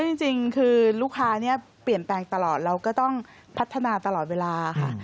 จริงคือลูกค้าเนี่ยเปลี่ยนแปลงตลอดเราก็ต้องพัฒนาตลอดเวลาค่ะ